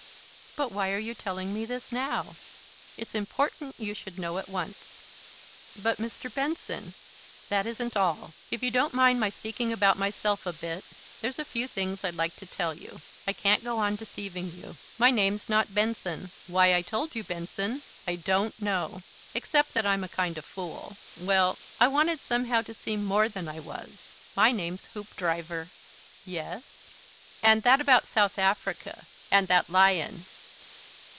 "But why are you telling me this now?" "It's important you should know at once." "But, Mr. Benson " "That isn't all. If you don't mind my speaking about myself a bit, there's a few things I'd like to tell you. I can't go on deceiving you. My name's not Benson. WHY I told you Benson, I DON'T know. Except that I'm a kind of fool. Well I wanted somehow to seem more than I was. My name's Hoopdriver." "Yes?" "And that about South Africa and that lion."